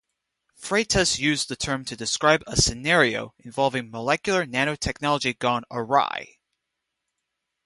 Freitas used the term to describe a scenario involving molecular nanotechnology gone awry.